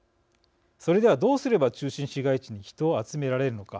それではどうすれば中心市街地に人を集められるのか。